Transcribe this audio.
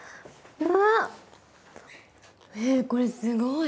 えこれすごい。